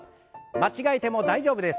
間違えても大丈夫です。